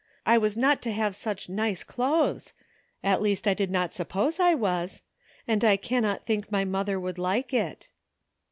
I was not to have such nice clothes — at least I did not suppose I was — and I cannot think my mother would like it."